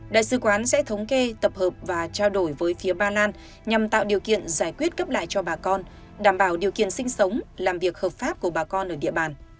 đại sứ quán sẽ thống kê tập hợp và trao đổi với phía ba lan nhằm tạo điều kiện giải quyết cấp lại cho bà con đảm bảo điều kiện sinh sống làm việc hợp pháp của bà con ở địa bàn